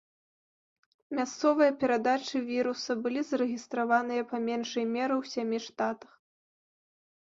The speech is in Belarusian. Мясцовыя перадачы віруса былі зарэгістраваныя па меншай меры ў сямі штатах.